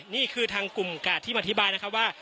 นี่คือทางกลุ่มกาดที่มาอธิบายนะครับว่า